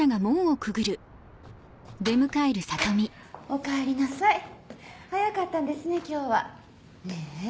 おかえりなさい早かったんですね今日は。ねぇ